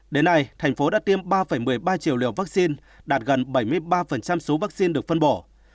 đến nay thành phố đã tiêm ba một mươi ba triệu liều vaccine đạt gần bảy mươi ba số vaccine được phân bổ